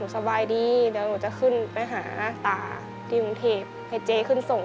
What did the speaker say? สบายดีเนื่องจนขึ้นไปหาเรืองเทพอให้เจขึ้นส่ง